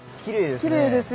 きれいですよ